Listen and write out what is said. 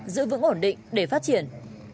giữ vững ổn định để phát triển